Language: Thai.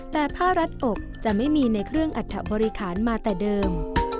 แต่ผ้ารัดอกจะไม่มีในเครื่องอัฐบริคารมาแต่เดิม